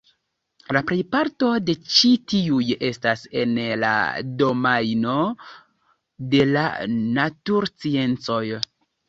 La plejparto de ĉi tiuj estas en la domajno de la natursciencoj.